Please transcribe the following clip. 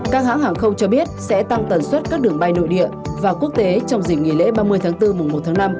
các hãng hàng không cho biết sẽ tăng tần suất các đường bay nội địa và quốc tế trong dịp nghỉ lễ ba mươi tháng bốn mùa một tháng năm